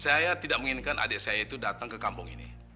sebenarnya saya inginkan adik saya itu datang ke kampung ini